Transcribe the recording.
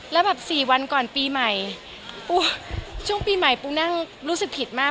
แล้วแบบสี่วันก่อนปีใหม่ช่วงปีใหม่ปูนั่งรู้สึกผิดมาก